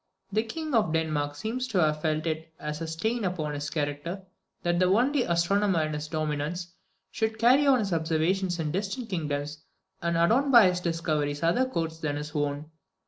The King of Denmark seems to have felt it as a stain upon his character, that the only astronomer in his dominions should carry on his observations in distant kingdoms and adorn by his discoveries other courts than his own.